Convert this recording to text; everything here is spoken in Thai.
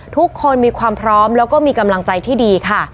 ทุกคนมีความพร้อมแล้วก็มีกำลังใจที่ดีค่ะ